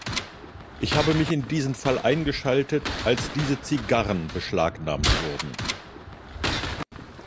Ich habe mich in diesen Fall eingeschaltet, als diese Zigarren beschlagnahmt wurden.